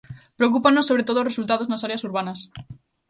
Preocúpannos sobre todo os resultados nas áreas urbanas.